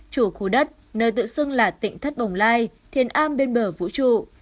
chủ khu đất nơi tự xưng là tỉnh thất bồng lai thiên am bên bờ vũ trụ